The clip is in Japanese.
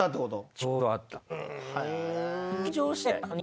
ちょうど合った。